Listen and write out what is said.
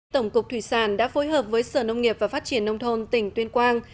tổng cục thủy sản đã phối hợp với sở nông nghiệp và phát triển nông thôn tỉnh tuyên quang